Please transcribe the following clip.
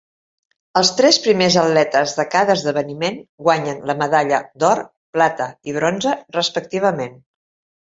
Els tres primers atletes de cada esdeveniment guanyen la medalla d'or, plata i bronze, respectivament.